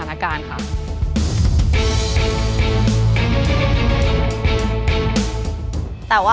มันไม่ต้องทำอะไรอีกแล้ว